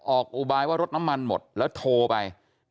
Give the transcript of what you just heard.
อุบายว่ารถน้ำมันหมดแล้วโทรไป